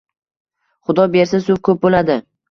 Xudo bersa, suv ko`p bo`ladi